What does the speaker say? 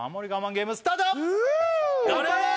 ゲームスタート頑張れ！